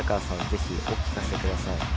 ぜひ、お聞かせください。